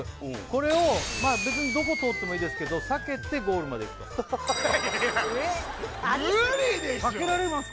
これを別にどこ通ってもいいですけど避けてゴールまで行くと無理でしょう避けられます？